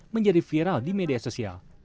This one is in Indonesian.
menjadi viral di media sosial